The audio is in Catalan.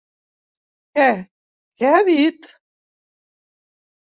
Què, què ha dit?